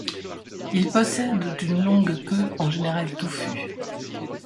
Ils possèdent une longue queue en général touffue.